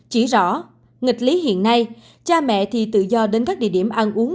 chỉ rõ nghịch lý hiện nay cha mẹ thì tự do đến các địa điểm ăn uống